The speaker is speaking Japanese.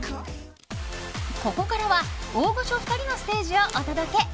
ここからは大御所２人のステージをお届け！